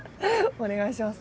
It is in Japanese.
お願いします。